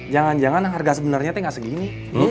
jangan jangan harga sebenarnya itu nggak segini